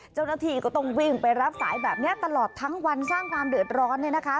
เจ้าหน้าที่ก็ต้องวิ่งไปรับสายแบบนี้ตลอดทั้งวันสร้างความเดือดร้อนเนี่ยนะคะ